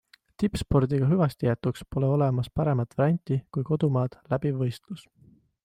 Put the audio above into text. Tippspordiga hüvastijätuks pole olemas paremat varianti kui kodumaad läbiv võistlus.